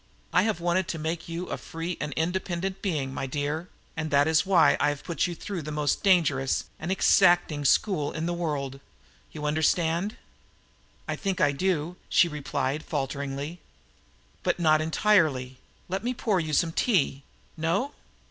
I have wanted to make you a free and independent being, my dear, and that is why I have put you through the most dangerous and exacting school in the world. You understand?" "I think I do," she replied falteringly. "But not entirely. Let me pour you some tea? No?"